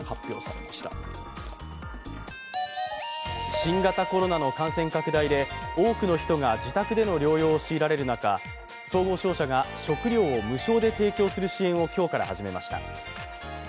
新型コロナの感染拡大で多くの人が自宅での療養を強いられる中、総合商社が食料を無償で提供する支援を今日から始めました。